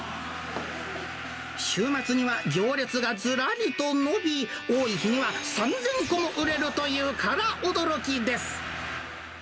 週末には行列がずらりと伸び、多い日には３０００個も売れるというから驚きです。